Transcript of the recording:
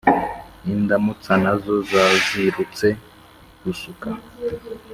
Indamutsa nazo zazirutse gusuka